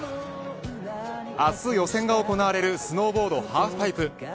明日、予選が行われるスノーボードハーフパイプ。